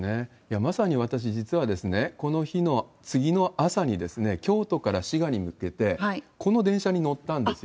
まさに私、実はこの日の次の朝に、京都から滋賀に向けて、この電車に乗ってたんですよ。